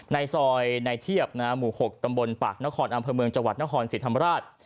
ในซอยในเทียบหมู่๖ตำบลปากนครอำเภอเมืองจังหวัดนครศรีธรรมราช